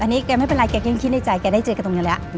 อันนี้แกไม่เป็นไรแกยังคิดในใจแกได้เจอกันตรงนี้แล้ว